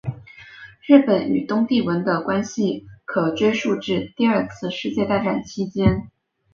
日本与东帝汶的关系可追溯至第二次世界大战期间。